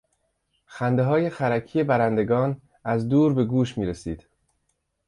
خندههای خرکی برندگان از دور به گوش میرسید.